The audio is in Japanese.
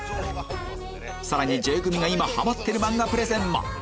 さらにＪ組が今ハマってる漫画プレゼンも！